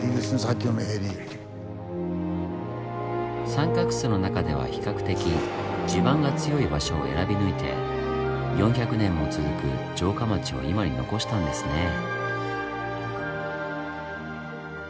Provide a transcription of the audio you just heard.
三角州の中では比較的地盤が強い場所を選び抜いて４００年も続く城下町を今に残したんですねぇ。